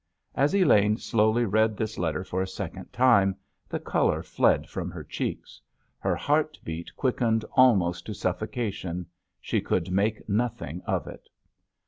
As Elaine slowly read this letter for a second time the colour fled from her cheeks. Her heart beat quickened almost to suffocation—she could make nothing of it.